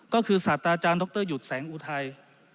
ก็คือศาสตราอาจารย์ดรยุติแสงอู่ไทย